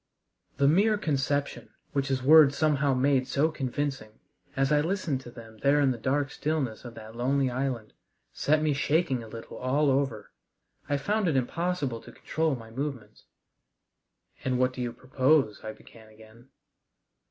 The mere conception, which his words somehow made so convincing, as I listened to them there in the dark stillness of that lonely island, set me shaking a little all over. I found it impossible to control my movements. "And what do you propose?" I began again.